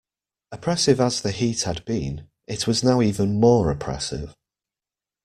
Oppressive as the heat had been, it was now even more oppressive.